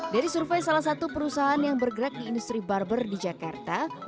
dari survei salah satu perusahaan yang bergerak di industri barber di jakarta